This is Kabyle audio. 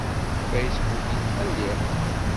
Facebook yettqelliq.